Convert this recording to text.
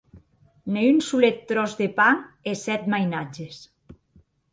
Ne un solet tròç de pan e sèt mainatges!